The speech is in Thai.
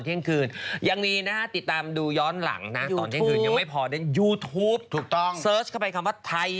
เต้งขึ้นมาหมดทุกรายการ